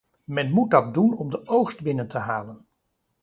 Men moet dat doen om de oogst binnen te halen.